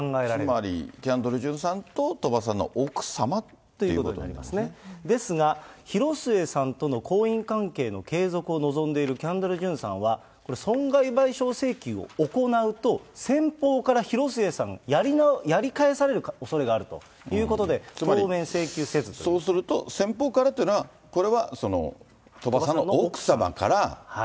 つまり、キャンドル・ジュンさんと鳥羽さんの奥様っていうことになりますですが、広末さんとの婚姻関係の継続を望んでいるキャンドル・ジュンさんは、損害賠償請求を行うと、先方から広末さんがやり返されるおそれがあるということで、そうすると先方からというのは、これは鳥羽さんの奥様から。